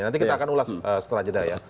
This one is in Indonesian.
nanti kita akan ulas setelah jeda ya